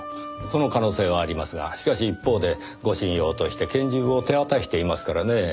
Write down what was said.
その可能性はありますがしかし一方で護身用として拳銃を手渡していますからねぇ。